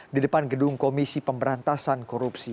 di depan gedung komisi pemberantasan korupsi